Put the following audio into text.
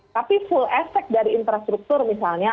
tapi full efek dari infrastruktur misalnya